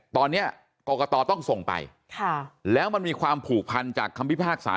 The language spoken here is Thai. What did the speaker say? ตอนนี้กรกตต้องส่งไปแล้วมันมีความผูกพันจากคำพิพากษา